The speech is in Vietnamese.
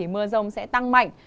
mưa rông sẽ tăng mạnh